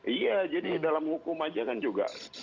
iya jadi dalam hukum aja kan juga